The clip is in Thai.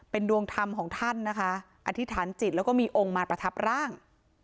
เป็นดวงธรรมของท่านนะคะอธิษฐานจิตแล้วก็มีองค์มาประทับร่าง